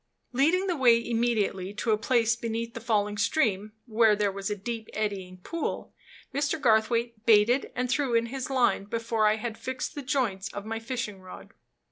Leading the way immediately to a place beneath the falling stream, where there was a deep, eddying pool, Mr. Garthwaite baited and threw in his line before I had fixed the joints of my fishing rod.